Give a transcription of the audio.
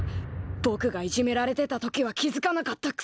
ぼくがいじめられてた時は気づかなかったくせに。